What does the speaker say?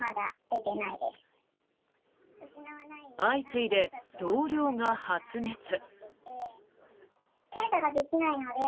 相次いで同僚が発熱。